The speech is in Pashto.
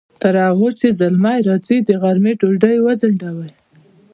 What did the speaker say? تر هغې چې زلمی راځي، د غرمې ډوډۍ وځڼډوئ!